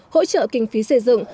hỗ trợ kinh phí xây dựng